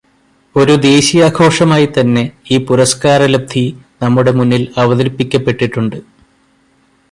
ഒരു ദേശീയാഘോഷമായിത്തന്നെ ഈ പുരസ്കാരലബ്ധി നമ്മുടെ മുന്നിൽ അവതരിപ്പിക്കപ്പെട്ടിട്ടുണ്ട്.